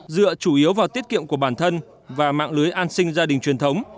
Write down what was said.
dựa chủ yếu vào tiết kiệm của bản thân và mạng lưới an sinh gia đình truyền thống